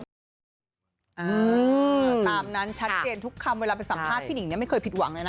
ตามนั้นชัดเจนทุกคำเวลาไปสัมภาษณ์พี่หนิงเนี่ยไม่เคยผิดหวังเลยนะ